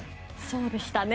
そうでしたね。